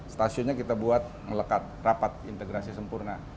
stasiunnya kita buat melekat rapat integrasi sempurna